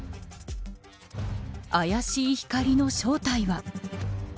怪しい光の正体は。